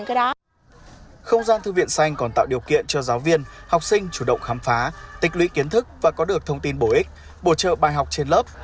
không gian thư viện xanh còn tạo điều kiện cho giáo viên học sinh chủ động khám phá tịch lũy kiến thức và có được thông tin bổ ích bổ trợ bài học trên lớp